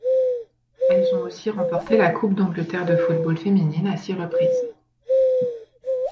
Elles ont aussi remporté la Coupe d'Angleterre de football féminine à six reprises.